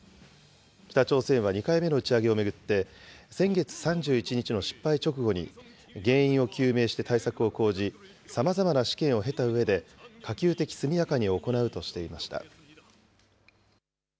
北朝鮮は２回目の打ち上げを巡って、先月３１日の失敗直後に原因を究明して対策を講じ、さまざまな試験を経たうえで、可及的速やかに行うとしていました。